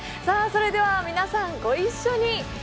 さあそれでは皆さんご一緒に！